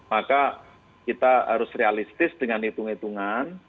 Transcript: maka kita harus realistis dengan hitung hitungan